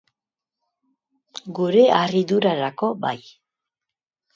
Gure harridurarako, bai.